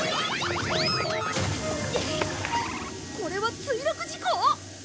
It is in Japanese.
これは墜落事故！？